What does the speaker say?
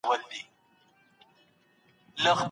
دلته هیڅوک بنده ګي نسي زغملای.